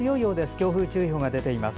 強風注意報が出ています。